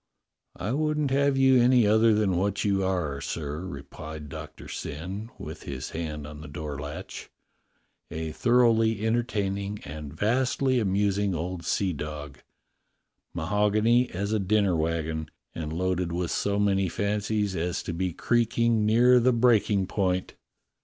"I wouldn't have you any other than what you are, sir," replied Doctor Syn, with his hand on the door latch — "a thoroughly entertaining and vastly amusing old seadog, mahogany as a dinner wagon, and loaded with so many fancies as to be creaking near the break ing point."